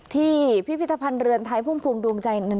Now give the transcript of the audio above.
ที่พิพิธรรพันธ์เรือนไทยพุ่มฟวงดวงใจ